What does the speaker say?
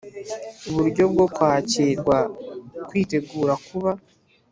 Uburyo bwo kwakirwa kwitegura kuba